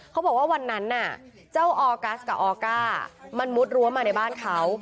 เขาบอกว่าวันนั้นน่ะเจ้าออกัสกับออก้ามันมุดรั้วมาในบ้านเขา